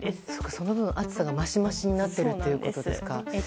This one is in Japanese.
その分、暑さが増し増しになっているということですか。